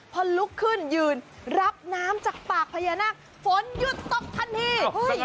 พอลุกขึ้นยืนรับน้ำจากปากพญานาคฝนหยุดตกทันที